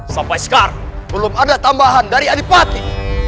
sampai sekarang belum ada tambahan dari adipati